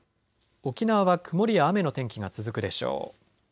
沖縄は曇りや雨の天気が続くでしょう。